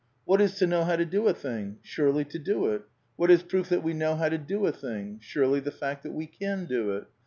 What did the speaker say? " What is to know how to do a thing? Surely to do it. What is proof that we know how to do a thing? Surely the fact that we can do it.